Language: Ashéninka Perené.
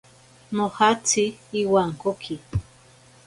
Nojatsi iwankoki.